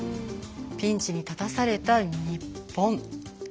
ピンチに立たされた日本。